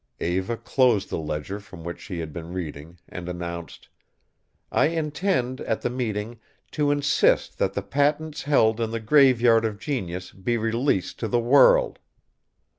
Eva closed the ledger from which she had been reading and announced, "I intend, at the meeting, to insist that the patents held in the Graveyard of Genius be released to the world."